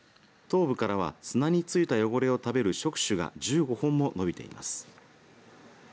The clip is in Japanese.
頭部からは砂に付いた汚れを食べる触手が１５本も伸びています。